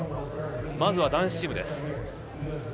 まずは男子チームです。